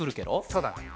そうだね。